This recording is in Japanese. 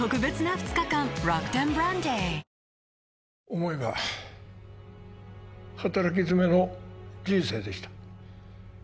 思えば働きづめの人生でした